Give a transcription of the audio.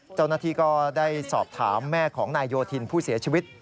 เจ้าหน้าที่ก็ได้สอบถามแม่ของนายโยธินผู้เสียชีวิต